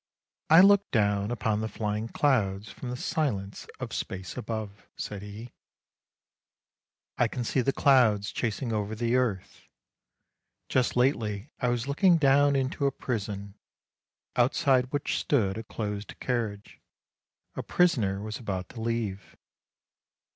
" I look down upon the flying clouds from the silence of space above! " said he. "I can see the clouds chasing over the earth. Just lately I was looking down into a prison, outside which stood a closed carriage; a prisoner was about to leave.